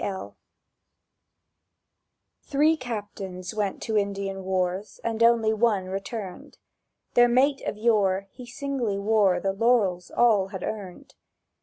L—. THREE captains went to Indian wars, And only one returned: Their mate of yore, he singly wore The laurels all had earned.